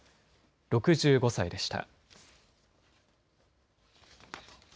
６５歳でした。